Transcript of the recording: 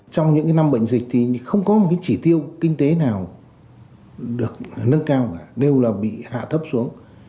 trong những năm bệnh dịch thì không có một cái chỉ tiêu kinh tế nào được nâng cao cả đều là bị hạ thấp xuống